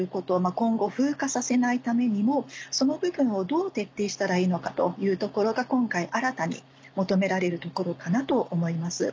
今後風化させないためにもその部分をどう徹底したらいいのかというところが今回新たに求められるところかなと思います。